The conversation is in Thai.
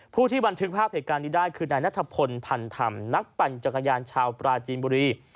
ผู้ที่บันทึกภาพเหตุการณ์นี้ได้คือนายนัทพลพันธรรมนักปั่นจักรยานชาวปราจีนบุรี